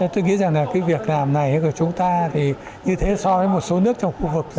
tôi nghĩ rằng là cái việc làm này của chúng ta thì như thế so với một số nước trong khu vực